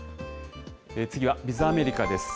次はＢｉｚアメリカです。